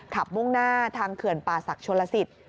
มุ่งหน้าทางเขื่อนป่าศักดิ์ชนลสิต